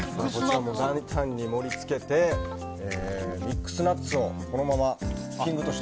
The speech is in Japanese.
大胆に盛り付けてミックスナッツをこのままトッピングとして。